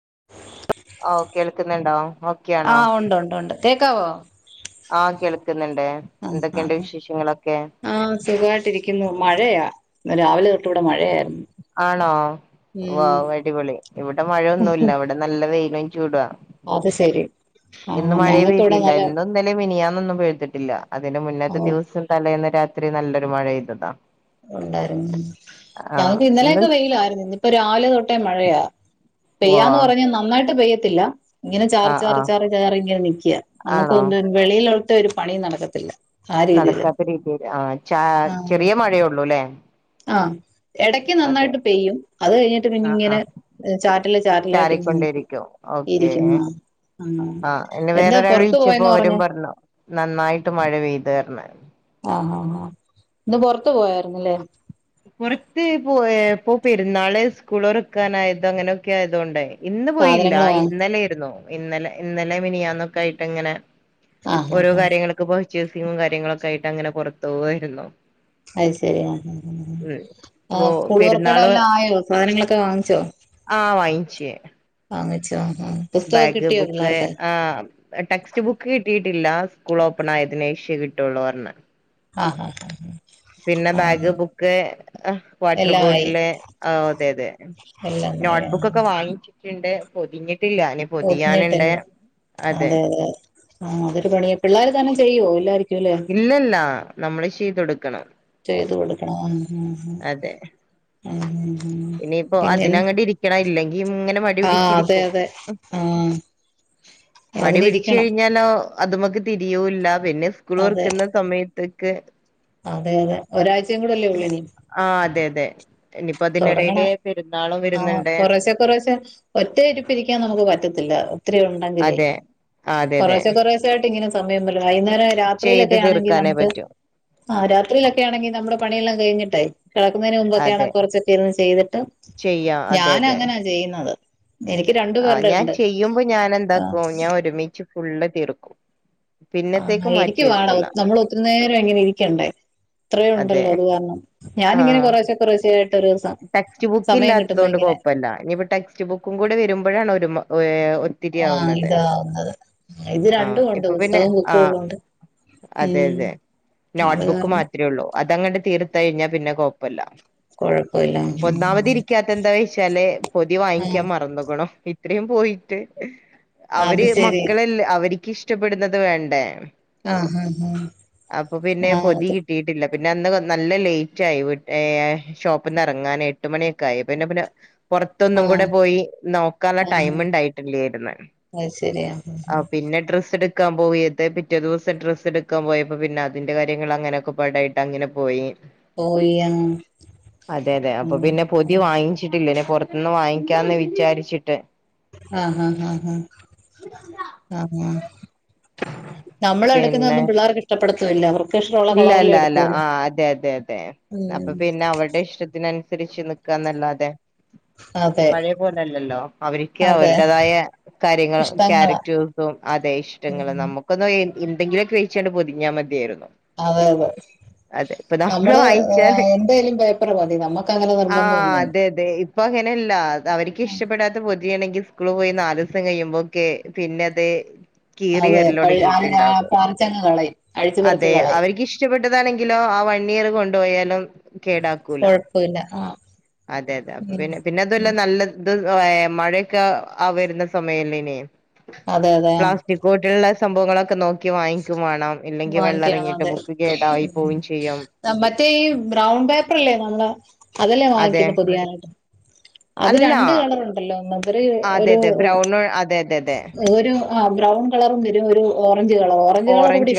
[inaudible] ഓ കേൾക്കുന്നുണ്ടോ? ഓക്കെ ആണോ ആഹ് ഉണ്ട്ണ്ട് ഉണ്ട് കേക്കാവോ? ആഹ് കേൾക്കുന്നുണ്ട്. ആ ആ എന്തൊക്കെയുണ്ട് വിശേഷങ്ങളൊക്കെ ആഹ് സുഖായിട്ടിരിക്കുന്നു. മഴയാ രാവിലെ തൊട്ട് ഇവിടെ മഴയായ ആണോ. വൗ അടിപൊളി ഇവിടെ മഴയൊന്നുല്ല. ഇവിടെ നല്ല വെയി [unintelligible] അത് ശരി ഇന്ന് ആഹ് മഴയെ ഞങ്ങക്ക് ഇവിടെ പെയ്തില്ല. നല്ല ഇന്നും ഇന്നലെ മിനിയാന്ന് യൊന്നും പെയ്തിട്ടില്ല. അതിന്റെ മുന്നത്തെ ഓഹ് ദിവസം തലേന്ന് രാത്രി നല്ലൊരു മഴ പെയ്തതാ. ഉണ്ടായിരുന്നു. ആ ഞങ്ങക്ക് ഇന്ന് ഇന്നലെയൊക്കെ വെയിലായിരുന്നു. ഇന്നിപ്പ രാവിലെ തൊട്ട ട്ട് മഴയാ. ഓ പെയ്യാന്ന് പറഞ്ഞ നന്നായിട്ട് പെയ്യത്തില്ല. ഇങ്ങനെ ആ ചാറി ആ ചാറി ചാറി ഇങ്ങനെ നിക്യാ. ആണോ നമുക്ക് വെളിയിലോട്ട് ഒരു പണിയും നടക്കത്തില്ല. ആ രീതിയില് നടക്കാത്ത രീതിയിൽ. ആ ച ആഹ് ചെറിയ മഴയുള്ളൂ ല്ലേ. ആ. ഇടയ്ക്ക് നന്നായിട്ട് പെയ്യും. അത് കഴിഞ്ഞിട്ട് പിന്നെ ആ ആ ഇങ്ങനെ ചാറ്റില് ചാറ്റിലായിട്ട് ഇങ്ങ ഓക്കേ. ആഹ എന്നെ എന്താ വേറൊരാൾ പുറത്തു വിളിച്ചപ്പോ പോയെന്ന് അവരും പറഞ്ഞേ പറഞ്ഞു നന്നായിട്ട് മഴ പെയ്തേർന്ന്‌. ആഹ ആ ആഹ ഇന്ന് പൊറത്ത് പോയായിരുന്നില്ലേ. പുറത്ത് പോ ഇപ്പൊ പെരുന്നാള് സ്കൂൾ തുറക്കനായതോ അങ്ങനെയൊക്കെ ആയതൊണ്ടെ. ഇന്ന് പോയില്ല. സാധനങ്ങൾ വാങ്ങാൻ ഇന്നലേരുന്നു. ഇന്നലെ ഇന്നലെ മിനിയന്നൊക്കെ ആയിട്ട് അങ്ങനെ ആ ആ ഓരോ ആ കാര്യങ്ങൾക്ക പർച്ചസിങ്ങും കാര്യങ്ങളൊക്കെ ആയിട്ട് അങ്ങനെ പുറത്തു പോകുവായിരുന്നു. അത് ശരി ആ. ആ ഓ സ്കൂൾ തുറക്കണ പെരുന്നാള് എല്ലാം ആയോ, സാധനങ്ങളൊക്കെ വാങ്ങിച്ചോ? ആഹ വാങ്ങിച്ച്. വാങ്ങിച്ചോ ആ ആ പുസ്തകമൊക്കെ ബാഗ്, കിട്ടിയോ ബുക്ക് പിള്ളേർക്ക് ആ ടെക്സ്റ്റ് ബുക്ക് കിട്ടി ട്ടില്ല. സ്കൂൾ ഓപ്പൺ ആയതിന് ശേഷേ കിട്ടുള്ളോന്ന്‌ പറഞ്ഞ്. അ ആ പിന്നെ ആ ആ ബാഗ്, ബുക്ക്, വാട്ടർ എല്ലാം ആയി ബോട്ടില്. ആ അതെ അതെ. എല്ലാം ആയി ആ നോട്ട്ബുക്ക്ക്കെ വാങ്ങിച്ചിട്ടുണ്ട്, പൊതിഞ്ഞ പൊതിഞ്ഞട്ടില്ല. അതെ അതെ ആ അതൊരു പണിയാ. പിള്ളേര് തന്നെ ചെയ്യോ എല്ലാര് ഇല്ലല്ല നമ്മള് ചെയ്തൊടുക്കണം. ചെയ്തു കൊടുക്കണം. ആ ഇനിയിപ്പോ അതിനങ്ങട് ഇരിക്കണം ഇല്ലെങ്കിൽ ഇങ്ങനെ ആ അതെ മടിപിടിച്ചിരിക്കും. അതെ ആ മടി പിടിച്ച് അതിനിരിക്കണം കഴിഞ്ഞാലോ അത് മക്ക് തിരിയൂല്ല. പിന്നെ സ്കുള് അതെ തൊറക്കുന്ന സമയതേക്ക് അതെ അതെ ഒരാഴ്ച പിന്നെ ആ അതെ അതെ. ഇനിയിപ്പോ അതിനിടയില് തുടങ്ങണ- പെരുന്നാളും ആഹ് വരുന്നുണ്ട് കുറശെ കുറശെ- ഒറ്റ ഇരിപ്പ് ഇരിക്കാൻ നമുക്ക് പറ്റത്തില്ല ല്ല ഒത്തിരി ഉണ്ടെങ്കിലേ അതെ ആ അതെ അതെ കുറശേ കുറശേ ആയിട്ട്നെ സമയംല്ല വൈകുന്നേരം ചെയ്ത് രാത്രിയിലൊക്കെ ആണെങ്കിൽ തീർക്കാനേ നമുക്ക് പറ്റൂ ആ രാത്രിയിലൊക്കെ ആണെങ്കിൽ നമ്മുടെ പണി എല്ലാം കഴിഞ്ഞിട്ടായി കിടക്കുന്നതിന് മുമ്പൊക്കെയാണ് അതെ കുറച്ചൊക്കെ ഇരുന്ന് ചെയ്തിട്ട്- ചെയ്യാം അതെ ഞാന അതെ അങ്ങനെയാ ചെയ്യുന്നത് എനിക്ക് രണ്ടു ആ പേരുടെ ഞാൻ ഉണ്ട് ചെയ്യുമ്പോ ഞാൻ ആ എന്താക്കും ഞാൻ ഒരുമിച്ച് ഫുള്ള് തീർക്കും ആ പിന്നത്തേക്ക് മാറ്റി എനിക്കും വേണം വെക്കൂല നമ്മൾ ഒത്തിരി നേരം [unintelligible] ഇരിക്കണ്ടേ ഇത്ര അതെ ഉണ്ടല്ലോ അത് കാരണം ഞാന് ആ ഇങ്ങനെ കുറേശേ കുറേശേ ടെക്സ്റ്റ് ബുക്ക് ഇല്ലാത്തത് കൊണ്ട് കൊഴപ്പമല്ല ഇനിയിപ്പോ ടെക്സ്റ്റ് ബുക്കും കൂടെ വരുമ്പോഴാണ് ഒരു മ ഏ ആ ഒത്തിരിയാവുന്നത്- ഇതാവുന്നത് ഇത് ആഹ രണ്ടും ഉണ്ട് ഇപ്പൊ പിന്നെ പുസ്തകവും ആ ബുക്കും ഉള്ളോണ്ട് അതെ ഉം അതെ അത് നോട്ട്ബുക്ക് കാരണം മാത്രമേ ഉള്ളൂ- അതങ്ങട്ട് തീർത്ത കഴിഞ്ഞാൽ പിന്നെ കൊഴപ്പില്ല കൊഴപ്പമില്ല ഒന്നാമതി ഇരിക്കാത്ത എന്താ വെച്ചാല് പൊതി വാങ്ങിക്കാൻ മറന്ന്ക്ക്ണു ഇത്രയും പോയിട്ട് ആ അത് അവര് ശരി മക്കളെല്ല അവർക്ക് ഇഷ്ടപ്പെടുന്നത് വേണ്ടേ ആ ആ ആ അപ്പൊ പിന്നെ ആ പൊതി അത് കിട്ടിയിട്ടില്ല പിന്നെ അന്ന് നല്ല ലേറ്റ് ആയി ഏ ഷോപ്പ്ന്ന് ഇറങ്ങാൻ എട്ട് മണിയൊക്കെ ആയി പിന്നെ പിന്നെ പുറത്തൊന്നും ആ കൂടെ പോയി നോക്കാനുള്ള ആഹ് ടൈമ് ഇണ്ടായിട്ടില്ലായിരുന്നു അത് ശരി ആഹ് ആഹ ആഹ് പിന്നെ ഡ്രസ്സ് എടു എടുക്കാൻ പോയത് പിറ്റേ ദിവസം എടുക്കാൻ പോയപ്പോ പിന്നെ അതിന്റെ കാര്യങ്ങ അങ്ങനെൊക്കെ പാടായിട്ട് അങ്ങനെ പോയി പോയാ [inaudible] അതെ അതെ അപ്പൊ പിന്നെ പൊതി വാങ്ങിച്ചിട്ടില്ലയ്ന് പുറത്ത്ന്ന് വാങ്ങിക്കാന്ന് വിചാരിച്ചിട്ട് ആഹ് ഹഹ ആഹ് ഹഹ ആഹഹ നമ്മളെ എടുക്കുന്നൊന്നും പിള്ളേർക്ക് ഇഷ്ടപ്പെടുത്തുല്ല അവർ ഇല്ലല്ല അല്ല ആ് അതെ അതെ അതെ ഉം അപ്പൊ പിന്നെ അവരുടെ ഇഷ്ടത്തിന്നു അനുസരിച്ചു അുസരിച്ച് നിക്കാന്നല്ലാതെ അ പഴയ പോലെല്ലല്ലോ അവർക്ക് അതെ അവരുടേതായ കാര്യങ്ങളും ഇഷ്ടങ്ങളാ ക്യാരക്ടേഴ്സും അതെ ഇഷ്ടങ്ങൾ ഉം നമുക്കൊന്ന് എന്തെങ്കിലുമ ഒക്കെ ചഴിച്ചാണ്ട് പൊതിഞ്ഞാൽ മതിയായിരുന്നു അതെ അതെ അതെ ഇപ്പൊ നമ്മള് വാങ്ങിച്ചാല് എന്തേലും പേപ്പർ മതി നമ്മുക്ക് അങ്ങനെ നിർബന്ധം ആഹ് ഒന്നും അതെ അതെ ഇപ്പൊ അങ്ങനെയല്ല അവർക്ക് ഇഷ്ടപ്പെടാത്ത പൊതിയാണെങ്കിൽ മക്കള് പോയി നാല് ദിവസം കഴിയുമ്പോക്കെ പിന്നെ അത് കീറി അതെ പഴ് എല്ലൊടിഞ്ഞിട്ടുണ്ടാകും പറിച്ചങ്ങ് കളയും അഴിച്ചു പറിച്ച് അതെ കളയും അവർക്ക് ഇഷ്ടപ്പെട്ടതാണെങ്കിലോ ആ വൺ ഇയർ കൊണ്ടുപോയാലും കേടാക്കൂല കൊഴപ്പല്ല ആഹ് അതെ അതെ അപ്പ ഉം പിന്നെ പിന്നെ അതുല്ല ഉം നല്ല ത്‌ മഴയൊക്കെ ആ വരുന്ന സമയ അതെ അതെ ആഹ് പ്ലാസ്റ്റിക് കോട്ടുള്ള സംഭവങ്ങളൊക്കെ നോക്കി വാങ്ങിക്കും വേണം ഇല്ലെങ്കിൽ വെള്ളം വാങ്ങിക്കണം ഇറങ്ങിട്ട് അതെ ബുക്ക് കേടായി ഉം പോയി മറ്റേ ഈ ബ്രൗൺ പേപ്പറല്ലേ നമ്മള് അതല്ലേ അതെ വാങ്ങിക്കുന്നത് പുതിയാനായിട്ട് അത് അല്ല രണ്ട് കളർ ഉണ്ടല്ലോ അതെ ഒ അതെ ബ്രൗൺ അതെ അതെ അതെ ഒരു ആഹ ബ്രൗൺ കളറും വരും ഒരു ഓറഞ്ച് കളർ ഓറഞ്ച് കളർ ഇവി.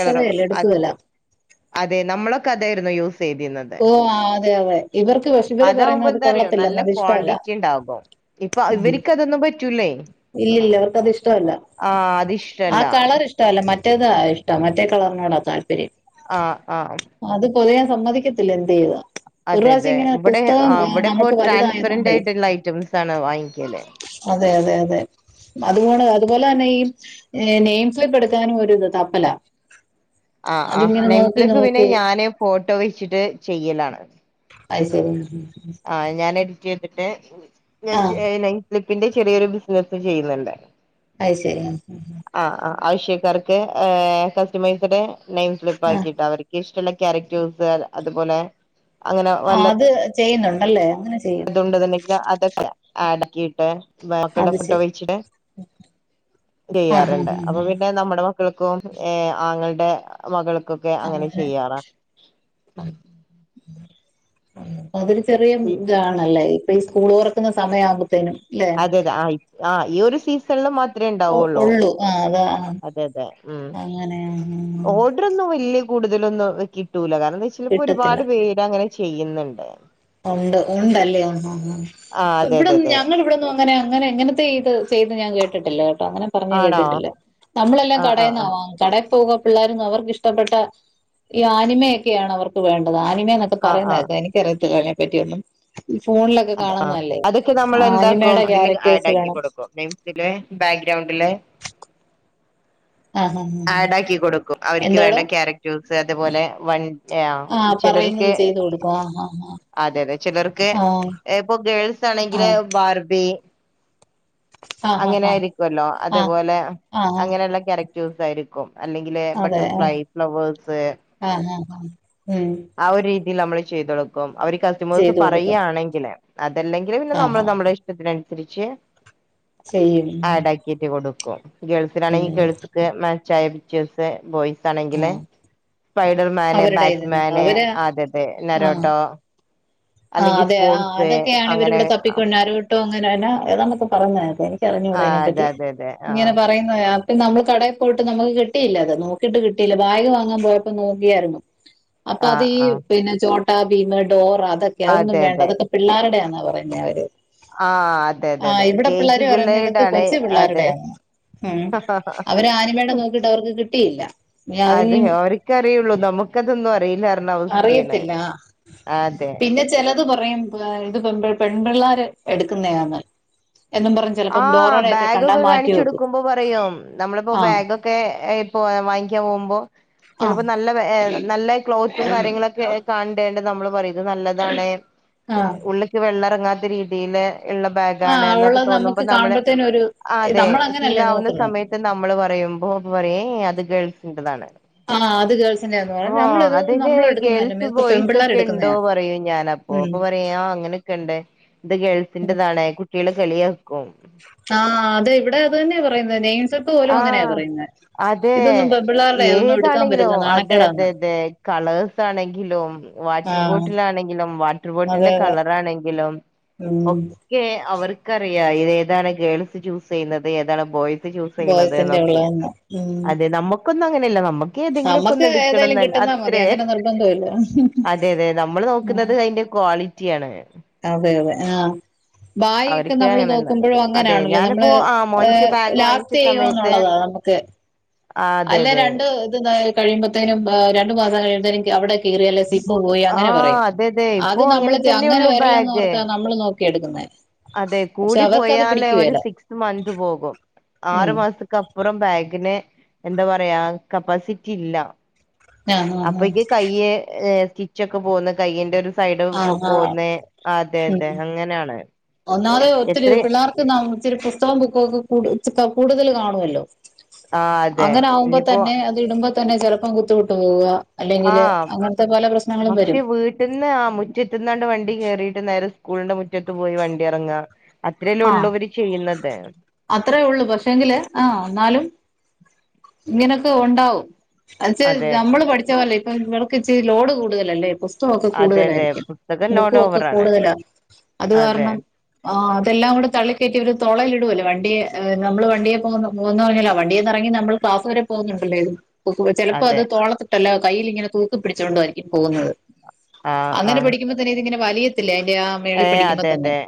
നമ്മളൊക്കെ അതായിരുന്നു യൂസ് ചെയതിന്നത് ഓ ആ അതെ അതെ ഇവർക്ക് പക്ഷെ ഇവര് അതാവുമ്പോ പറയുന്നത് അത് എന്താറിയോ നല്ല കൊള്ളത്തില്ലെന്ന് അത് ഇഷ്ടമല്ല ക്വാണ്ടിറ്റി ഉണ്ടാകും ഇപ്പൊ ഇവർക്ക് അതൊന്നും പറ്റൂല ഇല്ലല്ല അവർക്കത് ഇഷ്ടമല്ല ആഹ് ആ അതിഷ്ടല്ല കളർ ഇഷ്ടമല്ല മറ്റേതാ ഇഷ്ട മറ്റ കളറിനോടാ താല്പര്യം ആഹ ആഹ പൊതിയാൻ സമ്മതിക്കത്തില്ല എന്ത് ചെയ്യുവാ അതെ അതെ ഇവിടെ ആ ഇവിടെ ഇപ്പോ നമുക്ക് ട്രാൻസ്പെറന്റ് വലുതായതുകൊണ്ടേ ആയിട്ടുള്ള ഐറ്റംസ് ആണ് വാങ്ങിക്കലേ അതെ അതെ അതെ അത്പോ അതുപോലെ തന്നെ ഈ നെയിം ഫ്ലിപ്പ് എടുക്കാനും ഒരുത് തപ്പല ആ് ആ നൈമ് സ്ലിപ്പ് പിന്നെ ഞാന ഫോട്ടോ വെച്ചിട്ട് ചെയ്യലാണ് അ [unintelligible] ശരി [inaudible] ആ ഞാൻ എഡിറ്റ്‌ ചെയ്‌തിട്ട് ആഹ് [unintelligible] ന്റെ ചെറിയൊരു ബിസിനസ്സ് ചെയ്യുന്നുണ്ട്. അ [unintelligible] ശരി [inaudible] ആവശ്യകാർക്ക് ആ കസ്റ്റമേഴ്‌സിന് നെയിം ആഹ് സ്ലിപ്പാക്കിട്ടോ. അവർക്ക് ഇഷ്ട [unintelligible] ക്യാരറ്റൂഫ് അ അതുപോലെ അങ്ങനെ വല്ല [inaudible] [unintelligible] യ്യുന്നുണ്ടല്ലേ? [unintelligible] തൊക്കെ ആടക്കിയീട്ട്. അത് ശരി [unintelligible] ആഹ് ചെയ്യാറുണ്ട്. ആഹ് ആഹ് അപ്പോപ്പിന്നെ നമ്മടെ [inaudible] [unintelligible] ക്കും ഏ ആങ്ങൾടെ ആ മകൾക്കും. കൊക്കെ അങ്ങനെ ചെയ്യാറാ. അതില് ചെറിയ മ് താണല്ലേ, ഇ പ്പോ ഈ സ്കൂള് തുറക്കുന്ന സമയാകും [inaudible] അതെതെ [unintelligible] അ ഇ ഈഒരു സീസണില് [inaudible] ഒ ഒള്ളു ആ അതാ [inaudible] അതെ അതെ മ് അങ്ങനെ ആ, ആ, ആ. ഓർഡറൊന്നു [inaudible] [unintelligible] ല്ല് കൂടുതലൊന്നും കിട്ടൂല കാരണം ചിലപ്പോ കിട്ടത്തില്ല ഒരുപാട് പേര് അങ്ങനെ ചെയ്യുന്നുണ്ട്. ഉണ്ട് ഉണ്ട്ല്ലേ ആ [unintelligible] അതെ അതെ ഇവിടന്നും അതെ ഞങ്ങള് ഇവടൊന്നും അങ്ങനെ അങ്ങനെ എങ്ങനെ. [inaudible] ചെയ്‌ത് ചെയ്ത് ഞാൻ കേട്ടിട്ടില്ല കെട്ടോ അങ്ങനെ പറഞ്ഞെ ആണോ കേട്ടിട്ടില്ല. നമ്മളെല്ലാം ആ ആ കടേന്നാ വാങ്ങു [inaudible] കടേ പോക പിള്ളേരൊന്നും അവർക്ക് ഇഷ്ടപ്പെട്ട ഈ ആനിമയൊക്കെയാണ് അവർക്ക് വേണ്ടത്. ആ [inaudible] അനിമയ എന്നൊക്കെ ആ ആ പറയുന്നത് കേക്കാം എനിക്കറിയത്തില്ലതിനെപ്പ റ്റിയൊന്നും. അതെ ആ അതൊക്കെ നമ്മള്‌ ആനിമയുടെ എന്താക്കും. അതില് ക്യാരക്ടേഴ്സ് ആടാക്കി വേണം കൊടുക്കും. പെൻസില് ബാ [inaudible] റൗണ്ടില് [inaudible] ആഹ ആ ഏ ഏ ആഡ് ആക്കി കൊടുക്കും അവർക്ക് വേണ്ട ക്യാരക്ടേഴ്സ് അതുപോലെ വൺ ആ പറയുന്നത് ചിലർക്ക് ചെയ്ത് കൊടുക്കും. ആ ആ ആ അതെ അതെ ചിലർക്ക് ഏ പ്പൊ ഗേൾസ് ആണെങ്കില് ആഹ് ബാർബി ആഹ് ആഹ് ആഹ് അങ്ങനെയിരിക്കൊല്ലോ ആഹ് ആഹ് അതുപോലെ ആഹ് ആഹ് അങ്ങനെയുള്ള ക്യാരക്ടേഴ്സ് ആയിരിക്കും. അല്ലെങ്കില് അതെ ആഹ് ബട്ടർഫ്ലൈ ഫ്ലവേഴ്സ് [unintelligible] ആ ഒരു രീതിയിൽ നമ്മള് ചെയ്തൊടുക്കും. അവര് കസ്റ്റമേഴ്സ് ചെയ്തു കൊടുക്കും പറയാണെങ്കില്. അതല്ലെങ്കില് പിന്നെ ആഹ് നമ്മള് ആഹ് നമ്മുടെ ഇഷ്ടത്തിനനുസരിച്ച് ചെയ്യും ആഡ് ആക്കിയിട്ട് കൊടു [inaudible] ഗോ ഗേൾസിനാണെങ്കിൽ ഉം ഗേൾസിന് മാച്ചായ പിക്ച്ചേഴസ് ബോയ്സ് ആണെങ്കിൽ ആഹ് പൈ [inaudible] [unintelligible] മാന് അവരുടെ ഇതിനുള്ള ബാറ്റ്മാന് അവര് ആദ്യത്തെ നരോട്ടോ ആ അല്ലെങ്കിൽ അതെ ആ സ്പോർട്സ് അതൊക്കെയാണ് ഇവര് അങ്ങനെ ഇവിടെ തപ്പിക്കോണ്ട് അ രോട്ടോ അങ്ങനെ എന എതാണ്ട് ഒക്കെ പറഞ്ഞ അതെ ഇറിഞ്ഞൂട ആ അതെ അതിനെപ്പറ്റി അതെ അതെ ആ ഇങ്ങനെ പറയുന്നയാ [inaudible] പിന്നെ നമ്മള് കടയിൽ പോയിട്ട് നമ്മുക്ക് കിട്ടിയില്ല അത്. നോക്കിട്ട് കിട്ടിയില്ല ബാഗ് വാങ്ങാൻ പോയപ്പോ നോക്കിയായിരുന്നു. അപ്പൊ ആ അതീ ആ പിന്നെ ചോട്ടാ, ബീമ, ഡോറ അതൊക്കെ അതൊന്നും അതെ വേണ്ട. അതെ അതൊക്കെ പിള്ളേരുഡ്യാ. ആ പറയുന്ന ഇവര്. ആ അതെ ആ അതെ അതെ ഇവിടെ കെ ജി പിള്ളേര് പറയുന്ന ഇതൊക്ക പിള്ളേരുടാണ് കൊച്ചു അതെ പിള്ളേരുടെയാണ്ന്നാ. ഉം. അവര് ആനമേടെ നോക്കിയിട്ട് അവർക്ക് കിട്ടിയില്ല. [inaudible] നമക്കതൊന്നും അറിയില്ലാർന്നവസ്തേണ്. ആ അതെ. ചിലതു പറയും. ആ ഇതു പെൺപിൾ പെൺപിള്ളേര് എടുക്കുന്നിയാന്ന്. ആ. ബാഗ് ഒക്കെ കാണിച്ച് വെക്കും കൊടുക്കുമ്പോ പറയും മ് ഞമ്മള്പ്പോ ആഹ് ബാഗൊക്കെ ഏ ഇപ്പൊ [inaudible] കാപോകുമ്പോ ചിലപ്പോ ആഹ് നല്ല വേ [inaudible] നല്ല ക്ലോതും [inaudible] കാര്യങ്ങളൊക്കെ കണ്ടേണ്ട് നമ്മള് പറയും ഇത് നല്ലതാണ് ഏ ആഹ് ഉള്ളിക്ക് വെള്ളറങ്ങാത്ത രീതില് ഉള്ള ബാഗ് ആണ് ആഹ് ന്നൊക്കെ അവള് [inaudible] തോന്നുമ്പോ നമുക്ക് നമ്മള് കാണുമ്പത്തേനും ഒരു ആ അതെ ഫീൽ നമ്മളങ്ങനല്ലേ ആവുന്ന നോക്കുന്നേ സമയത്ത് നമ്മള് പറയുമ്പോ പറയും ഏ ഏ അ [inaudible] ഗേൾസിന്റെ താണ്. ആഹ് അത് ഗേൾസിന്റെയാന്ന് പറയും ഓ നമ്മളിതൊന്നും അതിന്റെ നമ്മള് എടുക്കുന്നതല്ല ഗേൾസ് ഇതൊക്കെ ബോയ്സ് പെൺപിള്ളേര് ഒക്കെ ഉണ്ടോ എടുക്കുന്നയാ പറയും ഞാൻ അ [inaudible] ഉം പ്പോപ്പൊ പറയുംആ അങ്ങനെയൊക്കെ ഉണ്ട്. ഇത് ഗേൾസിന്റെറതാണ് കുട്ടികൾ കളിയാ [inaudible] ആഹ് അതെ ഇവിടെ അത് തന്നെയാ പറയ്ന്നത്. നെയിംസിപ്പ് പോലും അങ്ങനെയാ ആഹ് പറയുന്നേ അതെ ഏതാണെങ്കിലും പറ്റത്തില്ല അതെ നാണക്കേടാന്ന് അതെ അതെ കളേഴ്സ് ആണെങ്കിലും വാട്ടർ ആഹ് ബോട്ടിലാണെങ്കിലും വാട്ടർ അതെ ബോട്ടിന്റെ അതെ കളറാണെങ്കിലും ഉം ഒക്കെ അവർക്കറിയാം ഇത് ഏതാണ് ഗേൾസ് ചൂസ് ചെയ്യുന്നത് ഏതാണ് ബോയ്സ് ചൂസ് ചെയ്യണത് ബോയ്സിന്റെ എന്നൊക്കെ. ഉള്ളതന്ന് ഉം അതെ നമ്മക്കൊന്നു അങ്ങനെയില്ല നമ്മക് ക്ക് ഏതെങ്കിലൊക്കെ നമ്മക്ക് ഏതായാലും ഒന്നെടുക്കണംന്ന് കിട്ടുന്നാ മതി അത്രേ. അങ്ങനെ നിർബന്ധമില്ല അതെ അതെ നമ്മള് നോക്കുന്നത് അതിന്റെ ക്വാളി റ്റിയാണ് അതെ അതെ ആഹ് ബായി ഓക്കെ അവർക്ക് നമ്മള് അങ്ങനെയല്ല നോക്കുമ്പോഴും അതെ അങ്ങനെയാണല്ലോ ഞാനിപ്പോ നമ്മള് ആ മോൻക്ക് ഈഹ് ബാഗ് വാങ്ങിച്ച ലാസ്റ്റ് സമയത്ത് ചെയ്യോന്നുള്ളതാ നമുക്ക്. ആ അതെ അല്ല അതെ രണ്ട് ഇത് തായി കഴിയ്മ്പത്തേനും ഈഹ് രണ്ട് മാസം കഴീമ്പത്തേനും അവിടെ കീറി അല്ലേ സിബ് പോയി അങ്ങനെ ആഹ് പറയും. അതെ അതെ ഇപ്പൊ അത് നമ്മള് അങ്ങനെ തന്നെയുള്ളൂ വരല്ലന്ന് ബാഗ് ഓർത്താ നമ്മള് നോക്കി എട്ക്ക്ന്നെ അതെ കൂടി പോയാലെ ഒരു സിക്സ് മന്ത് പോകും ഉം ആറ്മാസക്കപ്പുറം ബാഗിന് എന്താ പറയാ കപ്പാസിറ്റി ഇല്ല ആഹ് ആഹ് അപ്പോയ്ക്ക് കയ്യ് ഈഹ് സ്റ്റിച്ചൊക്കെ പോന്ന് കയ്യ്ന്റെ ഒരു സൈഡ് ആഹ് ആഹ് ആഹ് പോന്നെ അതെ അതെ അങ്ങനാണ് ഒന്നാറേ ഒത്തിരി പിള്ളേർക്ക് ന ഇച്ചിരി പുസ്തകം ബുക്കൊക്കെ കൂടു കൂടുതല് കാണുവല്ലോ ആഹ് അതെ അങ്ങനെ ആകുമ്പോ ഇനിയിപ്പോ തന്നെ അത് ഇടുമ്പോ തന്നെ ചെലപ്പം കുത്ത് വിട്ട് പോവാ ആ പക്ഷെ വീട്ടിൽന്ന് ആ മുറ്റത്തുനിന്നോണ്ട് വൺ ണ്ടി കേറീട്ട് നേരെ സ്കൂളിന്റെ മുറ്റത്ത് പോയി വണ്ടി എറങ്ങാ ആ അത്രേല്ലേള്ളൂ ഇവര് ചെയ്യുന്നത് അത്രേ ഉള്ളൂ ഇങ്ങനെയൊക്കെ ഒണ്ടാവും. എന്ന്ച്ച് അതെ നമ്മള് പഠിച്ച പോലെ ഇപ്പൊ ഇവർ ക്കിച്ചിരി ലോഡ് കൂടുതലല്ലേ പുസ് തകൊക്കെ അതെ അതെ കൂടുതലായിരിക്കും. പുസ്തകം ബുക്കു ലോഡ് ഒക്കെ ഓവറാണ് കൂടുതലാ. അത് അതെ കാരണം ആ അതെല്ലാം കൂടി തള്ളിക്കേറ്റി ഇവര് തോളേലിടുവുല്ലെ വണ്ടിയെ നമ്മള് വണ്ടിയെ പോകുമ്പ വണ്ടിയെന്നറങ്ങി നമ്മൾ ക്ലാസ്സ് വരെ പോകുന്നുണ്ടല്ലോ ഇത് ചെലപ്പോ അതെ അത് തോളത്തിട്ടല്ല കയ്യില് ഇങ്ങനെ തൂക്കി പിടിച്ചോണ്ട് വരും പോന്നത് ആഹ് അങ്ങനെ ആഹ് പിടിക്കുമ്പോ തന്നെ ഇതിങ്ങനെ വലിയത്തില്ലേ ആ മേളി ഏഹ് പഠിക്കുമ്പോ അതെ തന്നെ. അതെ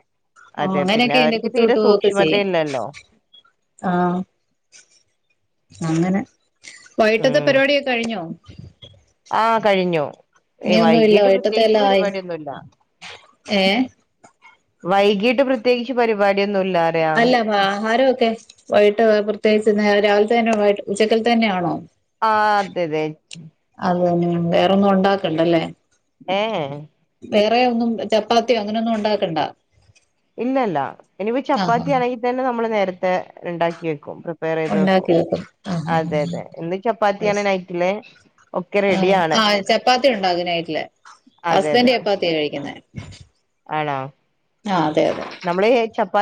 അതെ പിന്നെ അങ്ങനെയൊക്കെ ഇതിന്റെ അവർക്ക് കുത്ത് തീരെ വിട്ട് പോകുവൊക്കെ ചെയ്യും സൂക്ഷ്മതയില്ലല്ലോ ആ അങ്ങനെ വൈട്ടത്തെ ഉം പരിപാടിയൊക്കെ കഴിഞ്ഞോ? ആഹ് കഴിഞ്ഞു ഏഹ് ഇനിയൊന്നുല്ല വൈകീട്ട് പ്രത്യേകിച്ച് വൈകിട്ടത്തെല്ല ആയി പരിപാടിയൊന്നുല്ല ഏഹ്? വൈകീട്ട് പ്രത്യേകിച്ച് പരിപാടിയൊ അല്ലാ വാഹാരൊക്കെ വൈകിട്ട് പ്രത്യേകിച്ച് ഒന്ന് രാവിൽത്തെ തന്നെ ഉച്ചക്കത്തെ തന്നെയാണോ ആഹ് അതെ അതെ അത് തന്നെ വേറൊന്നും ഉണ്ടാക്കണ്ടല്ലേ? ഏഹ്? വേറെ ഒന്നും ചപ്പാത്തിയോ അങ്ങനെയൊന്നും ഉണ്ടാക്കണ്ട ഇല്ലല്ല ഇനിപ്പോ ആഹാ ചപ്പാത്തിയാണെങ്കിൽ തന്നെ നമ്മള് നേരത്തെ ഇണ്ടാക്കി വെക് ക്കും പ്രിപേറ് ചെയ്ത് വക്കും. ഉണ്ടാക്കി വെക്കും ആഹാ അതെതെ ഇന്ന് ചപ്പാത്തിയാണ് നൈറ്റില് ഒക്കെ ആ റെഡി ആ ചപ്പാത്തി ഉണ്ടാക്കും നൈറ്റില്. അതെ അതെ ഹസ്ബൻഡ് ചപ്പാത്തിയാ കഴിക്ക്ന്നെ ആണോ അതെ അതെ നമ്മള് ചപ്പാ